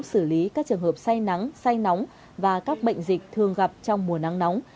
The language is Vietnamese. xử lý các trường hợp say nắng say nóng và các bệnh dịch thường gặp trong mùa nắng nóng